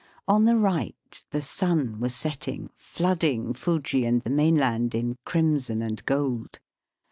On the right the sun wad setting, flooding Fuji and the mainland in crimson and gold.